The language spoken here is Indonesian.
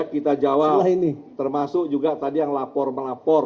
kita jawab termasuk juga tadi yang lapor melapor